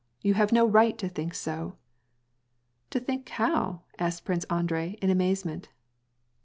You have no right to think so !"" To think how ?" asked Prince Andrei in amazement.